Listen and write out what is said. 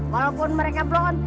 walaupun mereka bron